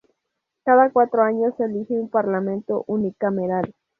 Cada cuatro años se elige un parlamento unicameral.